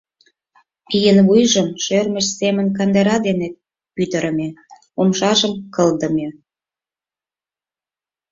Пийын вуйжым шӧрмыч семын кандыра дене пӱтырымӧ, умшажым кылдыме.